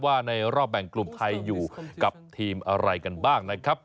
ในรอบแบ่งกลุ่มไทยอยู่กับทีมอะไรกันบ้างนะครับ